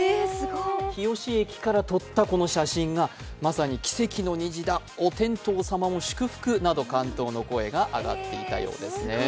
日吉駅から撮ったこの写真がまさに奇跡の虹だ、お天道様も祝福など感動の声が上がっていたようですね。